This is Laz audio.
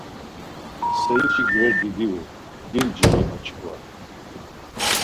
Serişi gverdi divu, dinciri açkva.